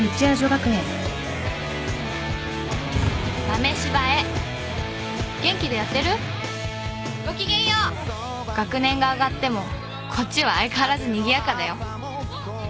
「学年が上がってもこっちは相変わらずにぎやかだよ」